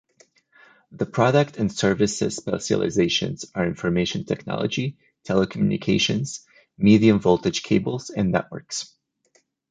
The product and services specializations are information technology, telecommunications, medium-voltage cables and networks.